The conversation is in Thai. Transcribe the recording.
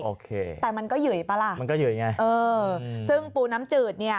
โอเคมันก็เหยื่อยป่าล่ะเออซึ่งปูน้ำจืดเนี่ย